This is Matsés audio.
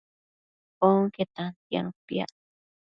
Onque tantianu piac